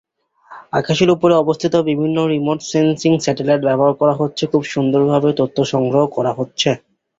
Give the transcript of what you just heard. আকাশের উপরে অবস্থিত বিভিন্ন রিমোট সেন্সিং স্যাটেলাইট ব্যবহার করে খুব সুন্দরভাবে তথ্য সংগ্রহ করা হচ্ছে।